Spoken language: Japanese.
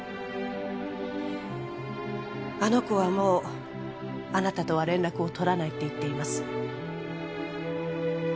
あの子はもうあなたとは連絡を取らないって言っています